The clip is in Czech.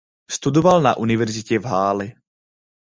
Studoval na univerzitě v Halle.